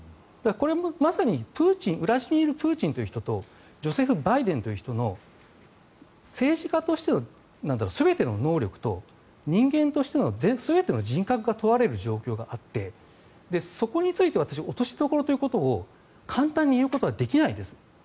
これもまさにウラジーミル・プーチンという人とジョー・バイデンという人の政治家としての全ての能力と人間としての全ての人格が問われる状況があってそこについて私、落としどころということを簡単に言うことはできないです。